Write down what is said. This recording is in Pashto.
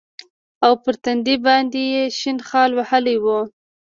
او پر تندي باندې يې شين خال وهلى و.